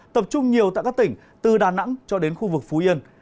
tập trung nhiều tại các tỉnh từ đà nẵng cho đến khu vực phú yên